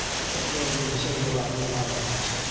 What were we sayin' about the Ryans